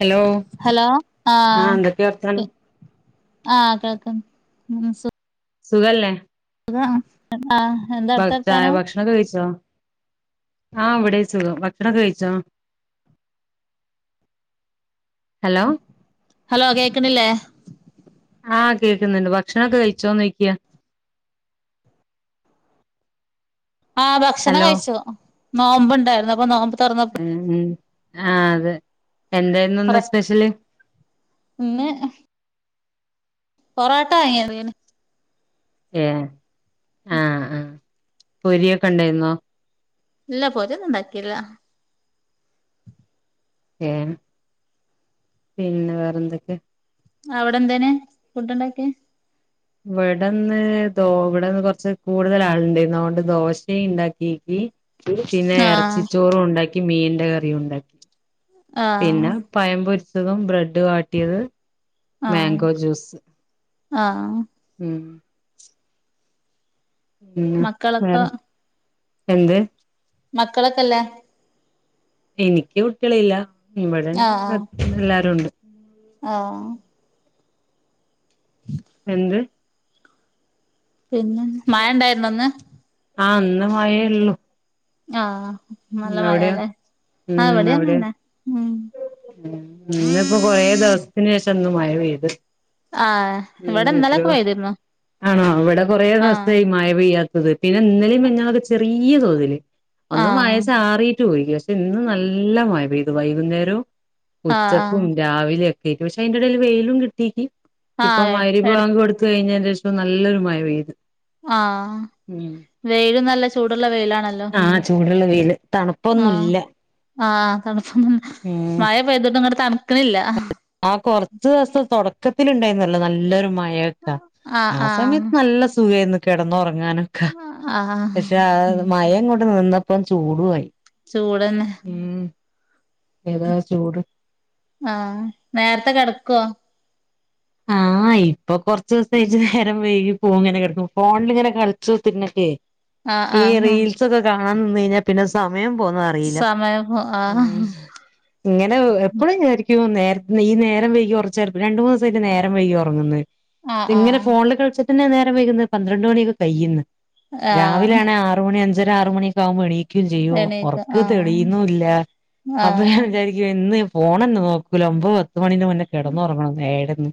Hello hello ആഹ് ആഹ എന്തൊക്കെ വർത്താനം ആഹ കേൾക്കും സുഖല്ലേ അതെ ഭഗ ചായ ഭക്ഷണം കഴിച്ചോ ആഹ ഇവിടെ സുഖം ഭക്ഷണനോക്കെ കഴിച്ചോ ഹലോ ഹലോ കേക്കണില്ലേ ആഹ കേൾക്കുന്നുണ്ട് ഭക്ഷണൊക്കെ കഴിച്ചോന്ന് ചോദിക്കുവായിരുന്നു ആഹ ഭക്ഷണം ഹലോ കഴിച്ചോ നോമ്പ് ഉണ്ടായിരുന്നു അപ്പൊ നോമ്പ് തുറന്നപ്പോ ഉ ആ അതെ എന്തായിരുന്നു ഒന്ന് കൊറെ സ്പെഷ്യല് പോറോട്ടാ... ഏ ആഹ ആഹ പൊരിയ ഒക്കെ ഉണ്ടായിരുന്നോ ഇല്ല പോരി ഒന്നും ഉണ്ടാക്കിയില്ല ഏ പിന്നെ വേറെന്തൊക്കെ അവിടെ എന്തേനെ ഫുഡ് ഉണ്ടാക്കിയ ഇവിടെന്ന് ഇവിടെന്ന് കൊറച്ച് കൂടുതൽ ആളണ്ടായിരുന്നു അതുകൊണ്ട് ദോശയും ഉണ്ടാക്കി പിന്നെ ആഹ് ഇറച്ചിച്ചോറും ഉണ്ടാക്കി മീൻ കറിയും ഉണ്ടാക്കി ആഹ് പിന്നെ പഴം പൊരിച്ചതും ബ്രെഡ് വാട്ടിയത് മാങ്കോ ജ്യൂസ് ആ ഉം ഉം മക്കളൊക്കെ വേറെ എന്ത് മക്കളൊക്കെല്ലേ എനിക്ക് കുട്ടികളില്ല ഇവിടെ എല്ലാരുണ്ട് ആ എന്ത് പിന്നെ മഴ ഉണ്ടായിരുന്നോ ഇന്ന് ആ ഇന്ന മഴൊള്ളു ആഹ നല്ല മഴയാല്ലേ ഉം അവിടെയൊ ഇന്നിപ്പോ കൊറേ ദിവസത്തിന് ശേഷം ഇന്ന് മഴ പെയ്ത് ആ ഉം ഇവിടെ ഇന്നലൊക്കെ എത്രയോ പെയ്തിരുന്നു ആണോ ഇവിടെ കുറെേ ആഹ് ദിവസായി മഴ പെയ്യാത്തത് പിന്നെ ഇന്നലേം മിനിങ്ങാന്നൊക്കെ ചെറിയ തോതില് ഒന്ന് ആഹ് മഴച്ചാറിയിട്ട് പോയി. പക്ഷെ ഇന്ന് നല്ല മഴ പെയ്തു വൈകുന്നേരവും ആഹ് ഉച്ചക്കും ആഹ് രാവിലൊ ഒക്കെ ആയിട്ട് പക്ഷെ അതിന്റെ ഇടൽ വെയിലും കിട്ടീക്ക് ഇപ്പൊ ആഹ് മഹ്രി രി എട് ബാങ്ക് കൊടുത്ത് കഴിഞ്ഞതിന്റെ ശേഷം നല്ലൊരു മഴ പെയ്ത് ആ വെയില് നല്ല ചൂ ആഹ ചൂടുള്ള വെയില് ല തണുപ്പൊന്നുംല്ല ആഹ തണുപ്പ് മഴ പെയ്തിട്ടും ഇങ്ങട്ട് തണുക്ക്ണില്ല ക്കത്തിലുണ്ടായിരുന്നല്ലോ ഉണ്ടായി നല്ലൊരു മഴൊക്കെ ആഹ് ആ ആഹ് സമയത്ത് നല്ല സുഖംന്ന് കിടന്നുറങ്ങാനൊക്കെ ആഹ് പക്ഷെ മയങ്ങോട്ട് നിന്നപ്പം ചൂടു ആയി ചൂടന്നെ ഏതാ ചൂട് ആ നേരത്തെ കിടക്കുവോ ആ ആ ഇപ്പോ കൊറച്ച് ദിവസായിട്ട് നേരം വൈകി പോവും ഇങ്ങനെ കിടക്കും ഫോണിലിങ്ങനെ കളച്ചുതർന്നിട്ടേ ആഹ് ഈ ആഹ് റീൽസക്കെ കാണാൻ നിന്ന് കഴിഞ്ഞാൽ പിന്നെ സ മയം പോന്ന അറീല്ല സമയം പോ ആഹ് ഇങ്ങനെ എപ്പഴും ഞാൻ ഒരിക്കലും ക്കും നേരത്ത് ഈ നേരം വൈകി ഉറച്ചേ രണ്ട് മൂന്ന്സായി ട്ട് നേരം വൈകി ഉറങ്ങ് ന്ന് ആഹ് ഇങ്ങനെ ആഹ് ഫോണിൽ കൾച്ചാ പിന്നെ നേരം വൈകുന്നെ പന്ത്രണ്ട് മണിയൊക്കെ കയ്യ് ന്ന് രാവിലെ ആഹ് ആണെല് ആറ് മണി അഞ്ചര ആറുമണി ഒക്കൊവകുമ്പോ എണീ ക്കും ചെയ്യും എണീക്ക ഒറക്ക് ആഹ് തെളിയുന്നുല്ല. അപ്പൊ ഞാൻ ആഹ് വിചാരിക്കും എന്ന് എ പ്പ് പോണെന്നെ നോക്കൂല ഒമ്പത് പത്ത് മണിന്റെ മുന്നേ കിടന്നുറങ്ങണം ഏടന്ന്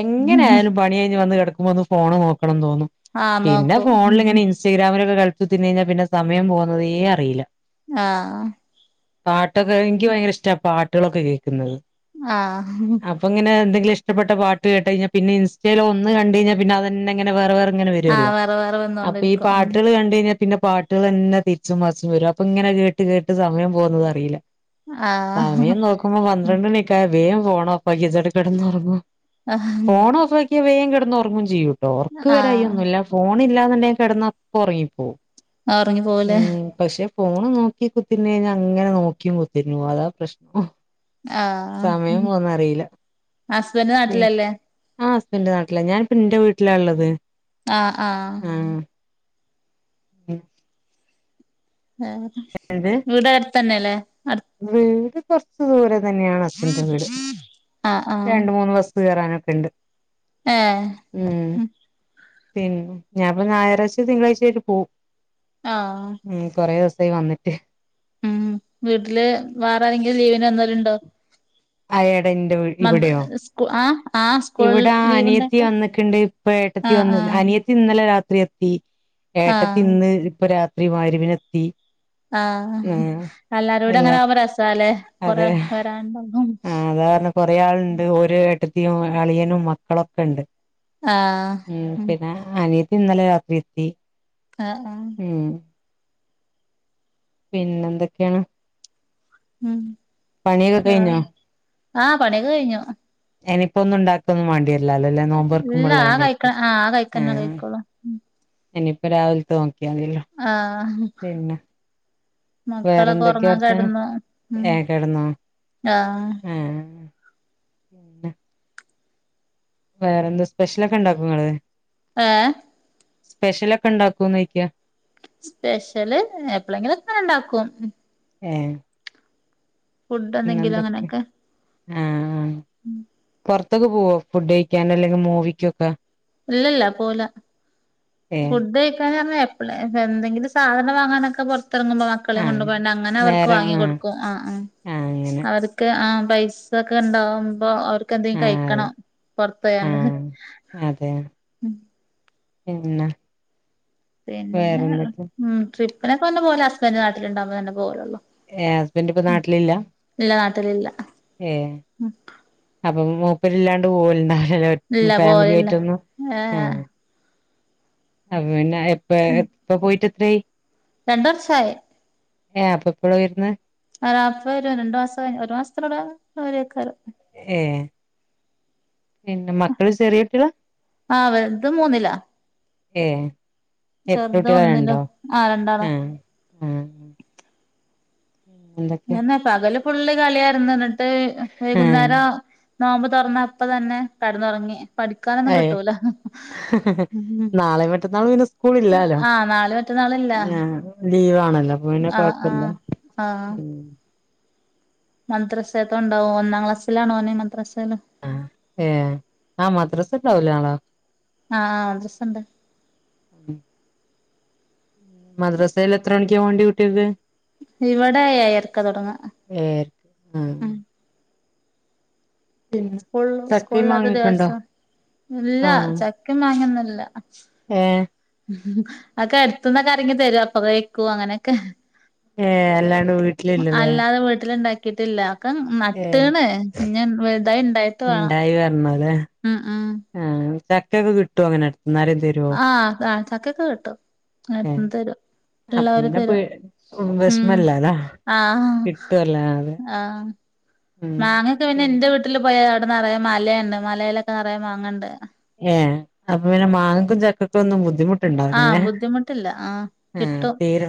എങ്ങനെയായാലും പണി കഴിഞ്ഞ് വന്ന് കിട ക്കുമ്പോന്ന് ഫോണ് നോക്ക ണംന്ന് തോന്നും. ആഹ് പിന്നെ നോക്കും ഫോണിൽ ഇങ്ങനെ ഇൻസ്റ്റാഗ്രാമിലൊക്കെ കുത്തിർന്നു കഴിഞ്ഞാൽ പിന്നെ സമയ പോകുന്നതേ അറിയില്ല ആ ഹാ പാട്ടൊക്കെ എനിക്ക് ഭയങ്കര ഇഷ്ടാ പാട്ടുകളൊക്കെ കേക്കുന്നത് ആ ഇഷ്ടപ്പെട്ട പാട്ട് കേട്ട്ട് കഴിഞ്ഞാ പിന്നെ ഇസ്റ്റയിൽ ഒന്ന്കണ്ട് കഴിഞ്ഞാ പിന്നെ അന്നെങ്ങനെ വേറെ വേറെ അങ്ങനെ വരുല്ലോ ആഹ് വേറെ വേറെ അപ്പൊ ഈ വന്നോണ്ടിരിക്കും ഉം പാട്ടുകൾ കണ്ട് കഴിഞ്ഞാ പിന്നെ പാട്ടുകൾന്നെ തിരിച്ചും മറിച്ചും വരും അപ്പൊ ഇങ്ങനെ കേട്ട് കേട്ട് സമയം പോകുന്നത് അറിയില്ല ആഹ് സമയം നോക്കുമ്പോ പന്ത്രണ്ട് മണി ഒക്കെ ആയാൽ വേം ഫോൺ ഓഫാക്കേച്ച് കെടന്ന് ഒറങ്ങും. അ ഹ് വേം കെടന്ന് ഒറങ്ങും ചെയ്യൂട്ടോ ഒറക്കം ആഹ് വരായൊന്നും ഇല്ല ഫോണി ഇല്ലാന്നുണ്ടെങ്കി കിടന്നാ അപ്പൊ ഉറങ്ങിപ്പോവും റങ്ങി പോവുംലെ ഉം പക്ഷെ ഫോണ് നോക്കി കുത്തിര്ന്നു കഴിഞ്ഞാൽ അങ്ങനെ നോക്കി കുത്തിര് ക്കും അതാ പ്രശ്നോം ആഹ് ഹസ്ബൻഡ് നാട്ടിലല്ലേ ആ ഹസ്ബൻഡ് നട്ടിലാ ഞാനിപ്പ ന്റെ വീട്ടിലാ ഇള്ളത് ആഹ് ആ മ് ആ വീടു അടുത്ത് തന്നെല്ലേ വീട് കൊറച്ച് ദൂരെ തന്നെയാണ് ഹസ്ബന്റെ വീട് ആഹ് രണ്ട് മൂന്ന് ബസ് കയറാനൊക്കെ ഇണ്ട് ആഹ് പിന്നെ ഞാനിപ്പോ ഞായറാഴ്ച തിങ്കളാഴ്ചായിട്ട് പോവും ആഹ് ഉം കൊറെ ദിവസം ആയി വന്നിട്ട് ഉം വീട്ടില് വേറെ ആരെങ്കിലും ലീവിന് വന്നവരുണ്ടോ ആയെടെ ഇന്റെ ഇവിടെയോ നമ്മ സ്കു ആ ഇവിടെ അനിയത്തി വന്നിക്കുണ്ട് ഇപ്പ ഏട്ടത്തി ആഹ് വന്ന് ആഹ് അനിയത്തി ഇന്നലെ രാത്രി എത്തി ഏട്ടത്തി ആഹ് ഇന്ന് ഇപ്പൊ രാത്രി മകിരിബിനെത്തി ആഹ് എല്ലാരും കൂടി അല്ല അങ്ങനെ ആകുമ്പോ രസാല്ലേ കൊറെ വരെണ്ടാകും സാരണ കുറേ ആളുണ്ട് ഓരു ആയിട്ട് യും അളിയനും മക്കളൊക്കെ ഇണ്ട് ഉം പിന്നെ അനി ഇന്നലെ രാത്രി എത്തി ആഹ് ആഹ് ഉം പിന്നെ എന്തൊക്കെയാണ്? ഉം പണിയൊക്കെ ആഹ് കഴിഞ്ഞോ? ആഹ് പണിയൊക്കെ കഴിഞ്ഞു ഇനിപ്പ ഒന്നും ഇണ്ടാക്കുക ഒന്നും വേണ്ടിയോ ല്ല അല്ലേ എല്ലാ ഇല്ല നോമ്പുറക്കുമ്പോള്ള ആ തന്നെ കഴിക്ക ആരിക്കും ആ ആ കഴിക്കന്നെ കഴിക്കുള്ളൂ ഇനിയിപ്പ രാവിലത്തെ നോക്കിയതില്ലോ ആഹ് പിന്നെ വേറെ മക്കളൊക്കെ എന്തൊക്കെയ ഒറങ്ങാൻ വർത്താനം കെടന്നു ഉം ഏ കിടന്നാ ആഹ് ആഹ് പിന്നെ വേറെ എന്തോ സ്പെഷ്യലൊക്കെ ഇണ്ടാക്കുവോ നിങ്ങള് ഏ സ്പെഷ്യല് ഒക്കെ ഇണ്ടാക്കുവോന്ന് ചോയ്ക്കാ സ്പെഷ്യല് എപ്പളെങ്കിലും ഒക്കെ ഒണ്ടാക്കും ഏ ഫുഡ് എന്തെങ്കിലും അങ്ങനൊക്കെ ആഹ് പൊറത്തൊക്ക പോവോ ഫുഡ് കഴിക്കാൻ അല്ലെങ്കിൽ മൂവിക്കൊക്കെ ഇല്ലല്ല പോല ഏഹ് ഫുഡ് കഴിക്കാന്ന് പറഞ്ഞാ എ എന്തെലും സാധനം വാങ്ങാനൊക്കെ പൊറത്ത് ത്ത് ഇറങ്ങുമ്പോൾ മക്കളെയും ആഹ് കൊണ്ട്പോയൊണ്ട് അങ്ങനെ അവർക്ക് നേരം വാങ്ങി ആഹ് കൊടുക്കും ആ ആ ആഹ് അങ്ങനെ അവർക്ക് ആ പൈസക്കെ ഉണ്ടാവുമ്പോ അവർ ക്കെന്തെയും ആഹ് അതെ കഴിക്കണം പൊറതോയൊണ്ട് ആഹ് പിന്ന പിന്നെ ഉം ട്രിപ്പിനൊക്കെ ഒന്ന് പോവല് ഹസ്ബൻഡ് നാട്ടിലുണ്ടാവകുമ്പോെ തന്നെ പോവളൊല്ലോ ഏഹ് ഹസ്ബൻഡ് ഇപ്പ മ് ഇല്ല നാട്ടില് ഇല്ല ഏ അപ്പം മൂപ്പര് ഇല്ലാണ്ട് പോവല്ണ്ടാ ഹലോ ഇല്ല ഫാമിലി പോവലില്ല ആയിട്ടൊന്നും ഏഹ് ആഹ് അ പിന്നെ എപ്പ ഉം എപ്പ പോയിട്ട് എത്രായി? രണ്ട് വർഷായി ഏ അപ്പൊ എപ്പോഴാ വരുന്നെ ആ അപ്പ വരും രണ്ടു മാസം കഴി ഒരു മാസത്തിലൂടെ വരും മിക്കവാറും എഏ പിന്നെ മക്കള് ചെറിയകുട്ടികള ആഹ് വലുത് മൂന്നിലാ ഏഹ് എത്ര ചെറുത് കുട്ടികളാ ഒന്നിലും രണ്ടോ ആഹ് രണ്ടാളാ ആഹ് ആഹ് എന്തൊക്കെയാ അതെന്നെ പകല് ഫുള്ള് കളിയായിരുന്ന് എന്നിട്ട് ആഹ് വൈകുന്നേരം നോമ്പ് തുറന്നപ്പോതന്നെ കിടന്നുറങ്ങി പഠിക്കാനൊന്നും ഏഹ് കിട്ടൂല. നാളെയും മറ്റന്നാളും പിന്നെ സ്കൂളില്ലാലോ ആ നാളെയും മറ്റ ന്നാളുമില്ല ആഹ് ലീവാണല്ലോ അപ്പൊ പിന്നെ കൊഴപ്പില്ല മദ്രസേത്ത ഉണ്ടാവും ഒന്നാം ക്ലാസിലാണോന് മദ്രസെൽ ഏഹ് ആഹ് മദ്രസണ്ടാവൂലെ നാള ആഹ് ആഹ് മദ്രസുണ്ട് മദ്രസയിൽ എത്രമണിക്കാ പോണ്ടെ കുട്ടിയേക്ക് ഇവിടെ ഏഴരക്ക തുടങ്ങുവ ഏഴരക്ക് ആഹ് പിന്നെ സ്കൂള് ചക്കയും സ്കൂളിലാത്ത മാങ്ങൊക്കെണ്ടോ ദിവസം ഇല്ല ആഹ് ചക്കയും മാങ്ങയൊന്നില്ല ഏഹ് അതൊക്കെ അടുത്തന്നൊക്കാരെങ്ങും തരും അപ്പൊ കാഴിക്കും അങ്ങനെയൊക്കെ ഏഹ് അല്ലാ അല്ലാതെ വീട്ടിലിണ്ടാക്കിട്ടില്ല ഒക്ക ഏഹ് നട്ടീണ്. ഇനി വലുതായിണ്ടായിട്ട് വേണം ഉം ഉം ആ ചക്കയൊക്കെ കിട്ടും അങ്ങനെടു ആഹ് ചക്കയൊക്കെ കിട്ടും ആരെങ്ങും തരും അപ്പോ ഉള്ളവര് പിന്നെ പേ തരും ഉം വിഷമമില്ലലെ ആഹ് ആ ഉം മാങ്ങയൊക്കെ പിന്നെ എന്റെ വീട്ടിൽ പോയ അവിടെ നിറയെ മലയുണ്ട് മലയിലൊക്കെ നിറയെ മാങ്ങയുണ്ട് ഏഹ് അപ്പൊ പിന്നെ മാങ്ങക്കും ചക്കക്കും ഒന്നും ആഹ് ബുദ്ധിമുട്ടുണ്ടാവൂലലെ ബുദ്ധിമുട്ടില്ല ആഹ് ആ കിട്ടും പേരോ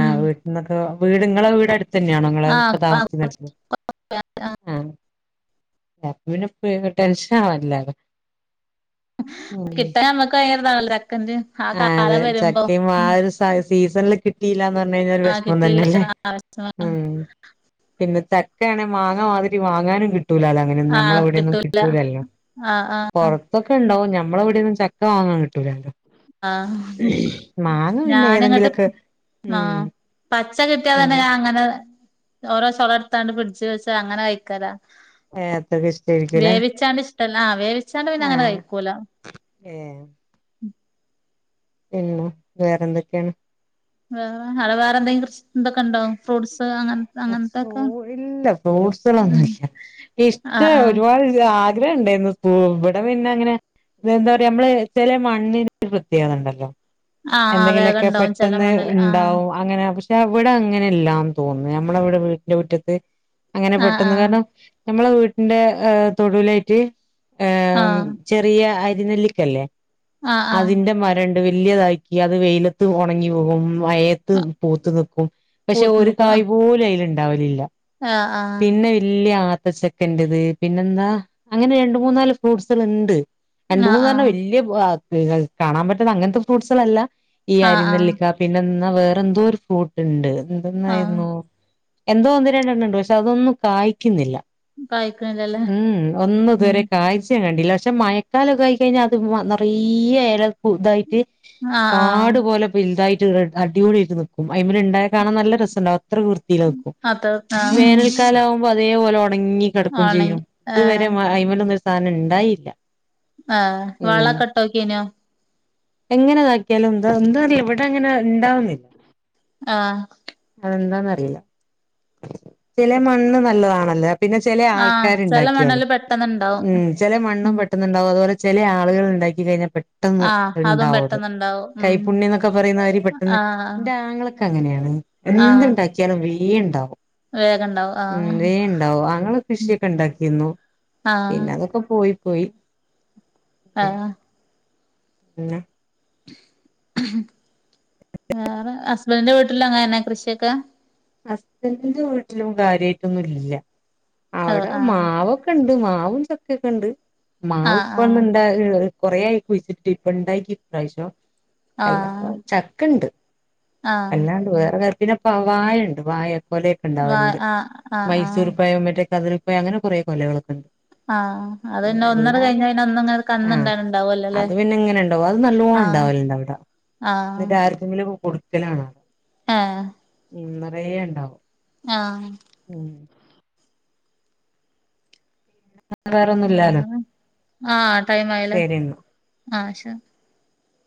ഉം വീട്ടിന്നൊക്കെ വീട് ഇങ്ങളെ വീടടുത്തെന്നെയാണോ നിങ്ങളെ ഇപ്പൊ ആഹ് താമസിക്കുന്നടുത്ത ആ അപ്പോ പിന്നെ പേ ടെൻഷൻ ആവാനില്ലല്ലോ കിട്ട നമ്മുക്ക് ഭയങ്കര [unintelligible] [unintelligible] ആ അതെ കാലം വരുമ്പോ ചക്കയും ആ ഒരു സ- സീസണില് [unintelligible] ഒരു ആഹ് വിഷമം കിട്ടിയില്ല തന്നെയല്ലേ ആവശ്യ ഉം പിന്നെ ചക്കയാണേ മാങ്ങമാതിരി വാങ്ങാനും കിട്ടൂലാലോ അങ്ങനെയൊന്നും ആഹ് നമ്മളവിടെയൊന്നും കിട്ടൂല കിട്ടൂലല്ലോ ആഹ് ആഹ് പുറത്തൊക്കെ ഇണ്ടാവും ഞമ്മളവിടെയൊന്നും ചക്ക വാങ്ങാൻ കിട്ടൂലല്ലോ ആഹ് മാങ്ങ പിന്നെ ഏതെങ്കിലൊക്കെ ആ പച്ച കിട്ടിയാ തന്നെ ഞാൻ അങ്ങനെ ഓരോ ചൊള എടുത്താണ്ട് ഫ്രിഡ്ജ് വെച്ച് അങ്ങനെ കാഴിക്കലാ അതെ അത്രക്ക് ഇഷ്ടായിരിക്കൂലേ വേവിച്ചാണ്ട് ഇഷ്ടല്ല ആ വേവിച്ചാണ്ട് പിന്നെ അങ്ങനെ കഴിക്കൂല ഏഹ് പിന്നെ വേറെന്തൊക്കെയാണ് വേറെ അവിടെ വേറെ എന്തെങ്കും എന്തൊക്കെ ഇണ്ട കൊണ്ടോ ഫ്രൂട്സ് [unintelligible] ഇല്ല ഉം ഫ്രൂട്ട്സ്കളൊന്നുല്ല ഇഷ്ട ആഹ് ആഹ് ഒരുപാട് ആ [unintelligible] ണ്ടായിരുന്നു പ്പോ ഇവിടെ പിന്നെ അങ്ങനെ എന്താ പറയാ നമ്മളെ ചെല മണ്ണിന് പ്രത്യേകതയുണ്ടല്ലോ ആഹ് ആഹ് വേഗം എന്തെങ്കിലുമൊക്കെ ഇണ്ടാവും ചെല പെട്ടെന്ന് മണ്ണില് ആഹ് ഇണ്ടാവും അങ്ങനെ പക്ഷെ അവിടെ അങ്ങനെയല്ലാന്ന് തോന്നുന്നു നമ്മളവിടെ വീട്ടിൻ്റെ മുറ്റത്ത് അങ്ങനെ ആഹ് പെട്ടെന്ന് കാരണം നമ്മളെ വീട്ടിന്റെ തൊടുലായിട്ട് ഏ ആഹ് ചെറിയ അരിനെല്ലിക്കല്ലേ ആഹ് ആഹ് അതിന്റെ മരം വല്യതായിക്ക് അത് വെയിലത്ത് ഉണങ്ങി വീകും മഴയത്ത് ആഹ് പൂത്ത് നിക്കും പക്ഷെ പൂത്ത് ഒരു നിക്കും കായ് ആഹ് പോലും അയിലുണ്ടാവലില്ല ആഹ് പിന്നെ വലിയ ആ ത്തച്ചക്കന്റത് പിന്നെന്താ അങ്ങനെ രണ്ട് മൂന്നാല് ഫ്രൂട്ട്സ്കളുണ്ട് രണ്ട് ആഹ് മൂന്ന് പറഞ്ഞ ആഹ് വല്ല്യ കാണാൻ പറ്റുന്ന അങ്ങനത്തെ ഫ്രൂട്ട്സ്കളല്ല ഈ ആഹ് ആഹ് അരിനെല്ലിക്ക പിന്നെ എന്നാ വേറെ എന്തോ ഒരു ഫ്രൂട്ട് ഉണ്ട് എന്തെന്ന ആഹ് എന്തോ ഒന്ന് രണ്ടെണ്ണം ഉണ്ട് പക്ഷെ അതൊന്നും കായ്ക്കുന്നില്ല കായ്ക്കണില്ലല്ലേ ഉം ഉം ഒന്നുമിതുവരെ കയ്ച്ച കണ്ട പക്ഷെ മഴക്കാലൊക്കെ ആയി കഴിഞ്ഞാൽ അത് നിറയ ഇല പുതുതായി ആഹ് ആഹ് കാട് പോലെ വലുതായിട്ട് അടിപൊടിയട്ട് നക്കും അതിമ ഉണ്ടായ കാണാൻ നല്ല രസംുണ്ടാവ വിർത്തിയിൽ ക്കും അത് ആഹ് വേനൽകാലമാകുമ്പോ അതേപോലെ ഉണങ്ങി ഉടങ്ങി കിടക്കും ആണെ ചെയ്യും ഇതുവരെ ആഹ് അ്മനൊന്നും ഒരു സാധനം ഇണ്ടായില്ല ആഹ് വളകോട്ടോകിനോ എങ്ങനെതാക്കിയാലും എന്താ എന്താറ ഇവിടെ അങ്ങനെ ഇണ്ടാവുന്നില്ല ആഹ് അതെന്താന്നറിയില്ല ചില മണ്ണ് നല്ലതാണല്ലേ പിന്നെ ചെല ആഹ് ആൾക്കാർ ചെല ഇണ്ടാക്കിയാലും മണ്ണില് പെട്ടെന്ന്ണ്ടാവും ഉം ചില മണ്ണും ഉം പെട്ടന്ന്ണ്ടാകും അതുപോലെ ചില ആളുകൾ ഇണ്ടാക്കി കഴിഞ്ഞ പെട്ട് പെട്ടെന്ന് ആഹ് അതും ഇണ്ടാവത് പെട്ടെന്ന്ണ്ടാവും ഉം കൈപുണ്യം എന്നൊക്കെ പറയുന്നവര് പെട്ടെന്ന് ആഹ് ഇന്റെ ആങ്ങള ക് അങ്ങനെയാണ് ആഹ് എന്തുണ്ടാക്കിയാലും വേ ഇണ്ടാവും വേഗണ്ടാവും ഉം ആഹ് വേ ഇണ്ടാവോ അങ്ങള കൃഷിയൊക്കെ ഇണ്ടാക്കിനു ആഹ് പിന്നെ അതൊക്കെ പോയി പോയി ആഹ് ഉം വേറെ ഹസ്ബന്റെ വീട്ടിലങ്ങനെ കൃഷിയൊക്കെ ഹസ്ബന്റിന്റെ വീട്ടിലും കാര്യായിട്ടൊന്നും ഇല്ല ആഹ് അവിടെ ആഹ് മാവൊക്കണ്ട് മാവും ചക്കെക്കണ്ട് മാവ് ആഹ് ഇപ്പോന്ന്ണ്ടായെള്ളത് കൊറെ ആയി കുഴിച്ച്ട്ട് ഇപ്പണ്ടായ്ക്കി ഇപ്രാവശ്യം ആഹ് ആഹ് അല്ലപ്പം ചക്കണ്ട് ആഹ് എല്ലാണ്ട് വേറെ [unintelligible] വാഴണ്ട് വാഴെ കൊലയൊക്കെ വാ ഇണ്ടാവല്ണ്ട് ആഹ് ആഹ് ആഹ് മൈസൂർ പഴം [unintelligible] കതിര് പഴം അങ്ങനെ കൊറെ കൊലകളൊക്കണ്ട് ആഹ് അത് പിന്നെ ഒന്നട് എല്ലാതെ കഴിഞ്ഞാ പിന്നെ ഒന്ന്ങ്ങനെ ആഹ് കന്ന്ണ്ടാണ്ടാവല്ലോല്ലേ അത് പിന്നെ ഇങ്ങനെണ്ടാവും അത് നല്ലോ ണ്ടാവലുണ്ട് ആഹ് അവിടെ എന്നിട്ട് ആർക്കെങ്കിലും കൊടുക്കലാണോ ആഹ് നെറയേണ്ടാവും ആഹ് വേറൊന്നുല്ലാലോ വേറെ ആഹ് ടൈമായില്ലേ ആഹ് ശ